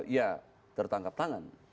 ya tertangkap tangan